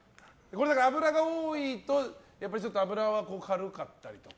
脂が多いとやっぱり脂は軽かったりとか。